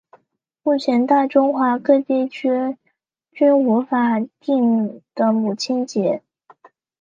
目前大中华各地区均无法定的母亲节。